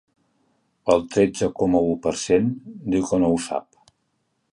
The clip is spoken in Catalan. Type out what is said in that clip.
Un tretze coma u per cent diu que no ho sap.